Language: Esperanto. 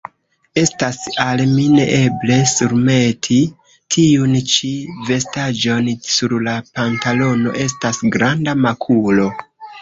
Estas al mi neeble surmeti tiun ĉi vestaĵon; sur la pantalono estas granda makulo.